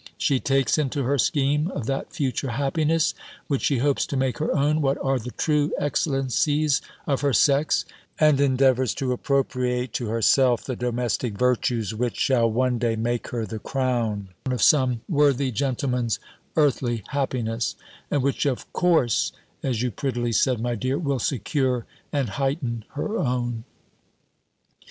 She takes into her scheme of that future happiness, which she hopes to make her own, what are the true excellencies of her sex, and endeavours to appropriate to herself the domestic virtues, which shall one day make her the crown of some worthy gentleman's earthly happiness: and which, of course, as you prettily said, my dear, will secure and heighten her own.